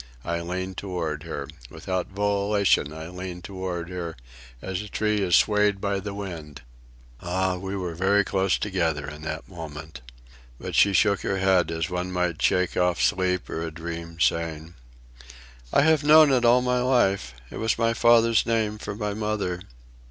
I leaned toward her. Without volition I leaned toward her, as a tree is swayed by the wind. Ah, we were very close together in that moment. But she shook her head, as one might shake off sleep or a dream, saying: "I have known it all my life. It was my father's name for my mother."